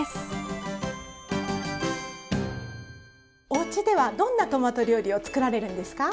おうちではどんなトマト料理を作られるんですか？